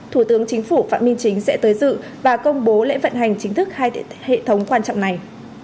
thủ tướng chính phủ phạm minh chính sẽ tới dự và công bố lễ vận hành chính thức hai hệ thống quan trọng này